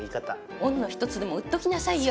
恩の一つでも売っときなさいよ。